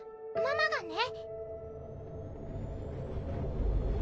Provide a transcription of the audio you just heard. ママがね。